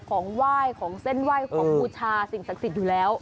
ของไหว้ของเส้นไหว้ของบูชาสิ่งศักดิ์สิทธิ์อยู่แล้ว